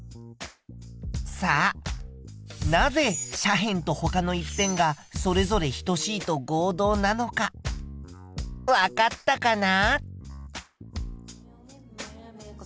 さあなぜ斜辺とほかの１辺がそれぞれ等しいと合同なのかわかったかな？